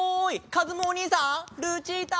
かずむおにいさんルチータ！